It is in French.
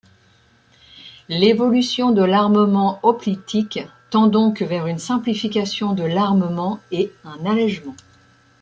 L'évolution de l'armement hoplitique tend donc vers une simplification de l'armement et un allègement.